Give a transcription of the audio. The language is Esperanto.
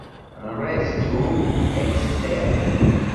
Restu ekstere!